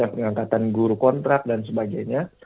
pengangkatan guru kontrak dan sebagainya